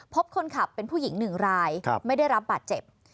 พบคนขับเป็นผู้หญิง๑รายไม่ได้รับบาดเจ็บ